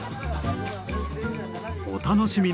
お楽しみに。